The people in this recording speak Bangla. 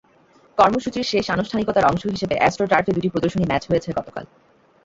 কর্মসূচির শেষ আনুষ্ঠানিকতার অংশ হিসেবে অ্যাস্ট্রো টার্ফে দুটি প্রদর্শনী ম্যাচ হয়েছে গতকাল।